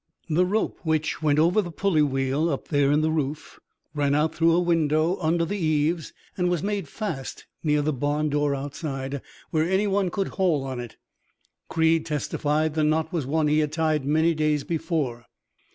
The rope which went over the pulley wheel up there in the roof ran out through a window under the eaves, and was made fast near the barn door outside, where anyone could haul on it. Creed testified the knot was one he had tied many days before.